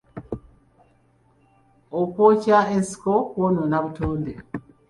Okwokya ensiko kwonona obutonde.